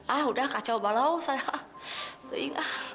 ah udah kacau balau saya ingat